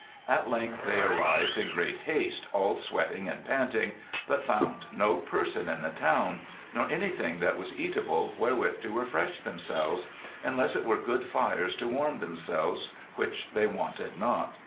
"At length they arrived there, in great haste, all sweating and panting; but found no person in the town, nor any thing that was eatable, wherewith to refresh themselves, unless it were good fires to warm themselves, which they wanted not.